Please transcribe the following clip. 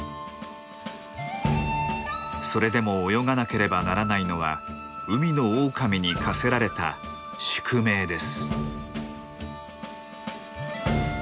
それでも泳がなければならないのは海のオオカミに課せられた宿命です。